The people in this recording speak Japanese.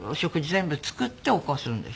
全部作って起こすんです。